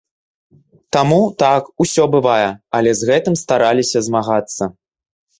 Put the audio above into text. Таму, так, усё бывае, але з гэтым стараліся змагацца.